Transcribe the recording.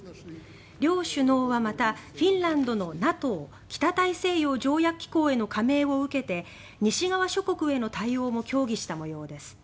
両首脳はまた、フィンランドのＮＡＴＯ・北大西洋条約機構への加盟を受けて西側諸国への対応も協議した模様です。